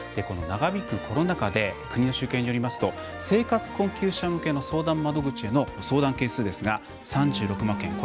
長引くコロナ禍で国の集計によりますと生活困窮者向けの相談窓口の相談件数ですが３６万件。